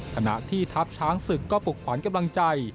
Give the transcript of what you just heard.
ขณะที่ทัพช้างศึกก็ปลุกขวัญกำลังใจ